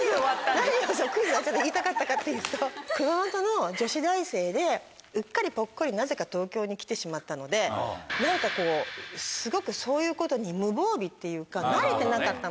クイズをやって何を言いたかったかというと熊本の女子大生でうっかりポッコリなぜか東京に来てしまったので何かすごくそういうことに無防備っていうか慣れてなかったの。